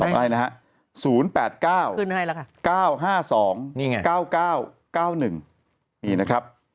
ได้นะฮะ๐๘๙๙๕๒๙๙๙๙๑นี่นะครับ